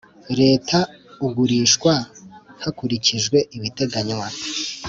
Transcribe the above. Leta ugurishwa hakurikijwe ibiteganywa